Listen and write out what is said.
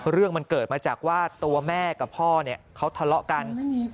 เรื่องมันเกิดมาจากว่าตัวแม่กับพ่อเนี่ยเขาทะเลาะกัน